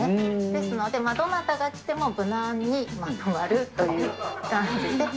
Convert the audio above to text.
ですので、どなたが着ても無難にまとまるという感じで。